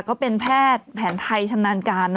ก็เป็นแพทย์แผนไทยชำนาญการ